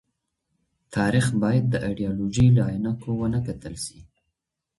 تاريخ بايد د ايډيالوژۍ له عينکو ونه کتل سي.